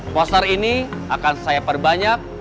poster ini akan saya perbanyak